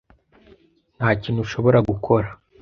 Nta kintu ushobora gukora?